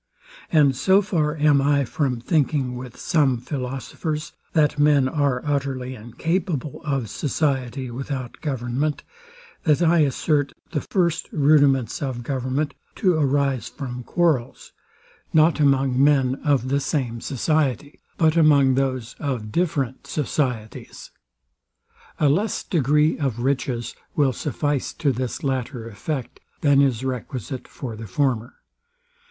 And so far am I from thinking with some philosophers, that men are utterly incapable of society without government, that I assert the first rudiments of government to arise from quarrels, not among men of the same society, but among those of different societies. A less degree of riches will suffice to this latter effect, than is requisite for the former.